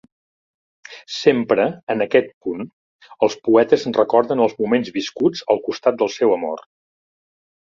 Sempre en aquest punt, els poetes recorden els moments viscuts al costat del seu amor.